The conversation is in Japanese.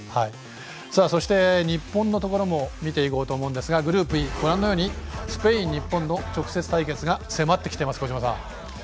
そして、日本のところも見ていこうと思うんですがスペイン、日本の直接対決が迫ってきています。